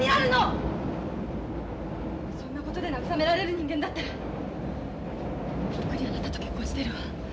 そんなことで慰められる人間だったらとっくにあなたと結婚してるわ。